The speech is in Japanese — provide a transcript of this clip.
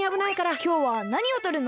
きょうはなにをとるの？